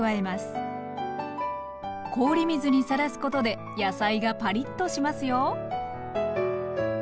氷水にさらすことで野菜がパリッとしますよ。